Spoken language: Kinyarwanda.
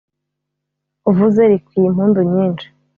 uvuze rikwiye impundu nyinshi,